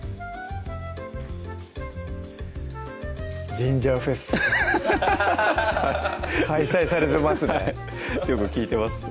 ジンジャーフェスアハハハ開催されてますねはいよく利いてます